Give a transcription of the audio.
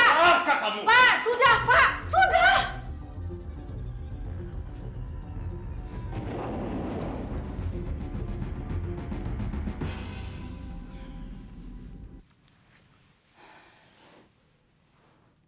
pak sudah pak sudah